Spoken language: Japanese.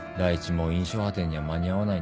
もう『印象派展』には間に合わないんです。